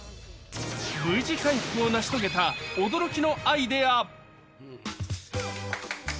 Ｖ字回復を成し遂げた驚きのアイデア。